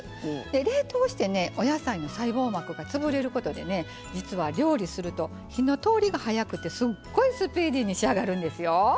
冷凍してお野菜の細胞膜が潰れることで実は料理すると火の通りが早くてすごいスピーディーに仕上がるんですよ。